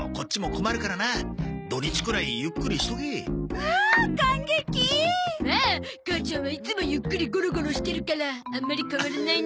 まあ母ちゃんはいつもゆっくりゴロゴロしてるからあんまり変わらないね。